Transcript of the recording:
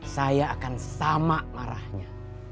saya akan sama marahnya